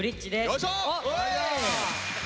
よいしょ！